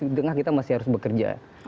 di tengah kita masih harus bekerja